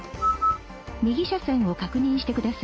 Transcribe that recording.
「右車線を確認してください。